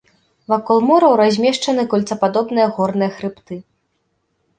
Вакол мораў размешчаны кольцападобныя горныя хрыбты.